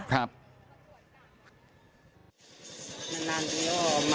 ครับ